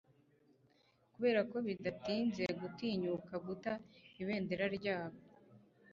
kuberako bidatinze, gutinyuka guta ibendera ryabo